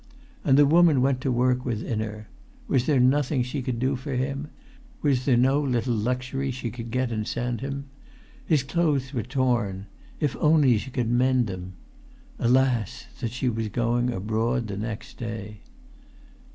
And the woman went to work within her: was there nothing she could do for him? Was there no little luxury she could get and send him? His clothes were torn—if only she could mend them! Alas! that she was going abroad next day.